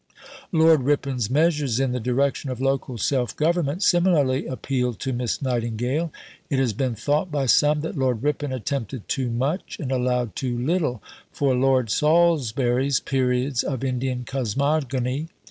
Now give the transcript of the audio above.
Lord Ripon's measures in the direction of local self government similarly appealed to Miss Nightingale. It has been thought by some that Lord Ripon attempted too much and allowed too little for Lord Salisbury's "periods of Indian cosmogony."